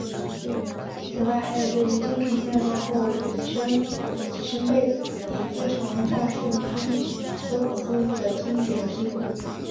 此外还有对于京城陷落后己身被李自成大顺军搜捕入狱的经历记载。